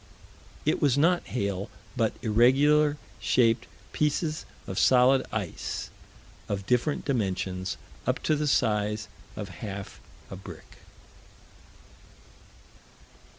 "It was not hail, but irregular shaped pieces of solid ice of different dimensions, up to the size of half a brick."